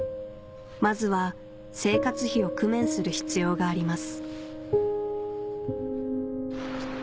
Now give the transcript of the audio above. まずは生活費を工面する必要があります